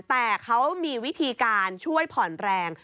แต่เขามีวิธีการช่วยผ่อนแรง